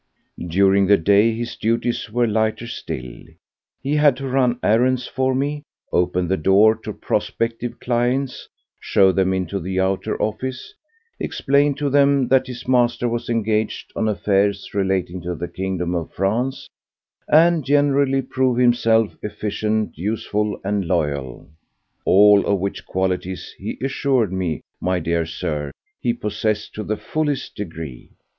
During the day his duties were lighter still. He had to run errands for me, open the door to prospective clients, show them into the outer office, explain to them that his master was engaged on affairs relating to the kingdom of France, and generally prove himself efficient, useful and loyal—all of which qualities he assured me, my dear Sir, he possessed to the fullest degree.